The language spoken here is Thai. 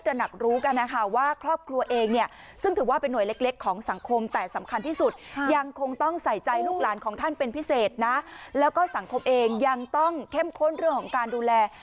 จ่ายลูกหลานของท่านเป็นพิเศษนะแล้วก็สังคมเองยังต้องเข้มค้นเรื่องของกดูแล